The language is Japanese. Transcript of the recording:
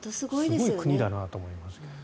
すごい国だなと思いますけど。